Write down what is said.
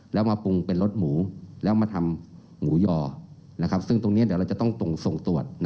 แล้วมาปรุงเป็นรสหมูแล้วมาทำหมูยอซึ่งตรงนี้เดี๋ยวเราจะต้องส่งตรวจ